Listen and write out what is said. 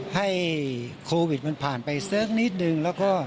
ให้โควิดมันผ่านไปนิดหนึ่ง